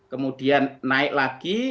kemudian naik lagi